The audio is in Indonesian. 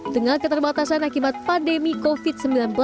dengan keterbatasan akibat pandemi covid sembilan belas